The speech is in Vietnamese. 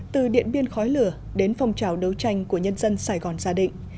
từ điện biên khói lửa đến phong trào đấu tranh của nhân dân sài gòn gia đình